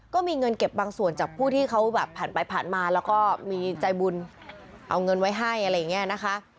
ก็มีเงินเก็บบางส่วนจากผู้ที่เขาแบบผ่านไปผ่านมาแล้วก็มีใจบุญเอาเงินไว้ให้อะไรอย่างนี้นะคะ